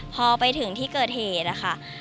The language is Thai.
พอไปถึงที่เกิดเหตุนะคะ